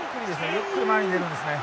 ゆっくり前に出るんですね。